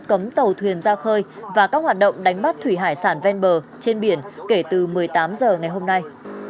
cấm tàu thuyền ra khơi và các hoạt động đánh bắt thủy hải sản ven bờ trên biển kể từ một mươi tám h ngày hôm nay